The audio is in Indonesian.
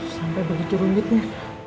sampai begitu ronyetnya